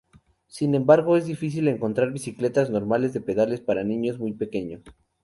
Sin embargo, es difícil encontrar bicicletas normales de pedales para niños muy pequeños.